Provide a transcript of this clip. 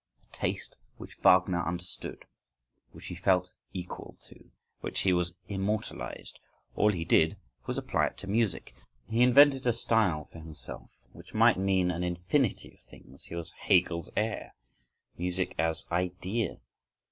… A taste which Wagner understood!—which he felt equal to! which he has immortalised!—All he did was to apply it to music—he invented a style for himself, which might mean an "infinity of things,"—he was Hegel's heir.… Music as "Idea."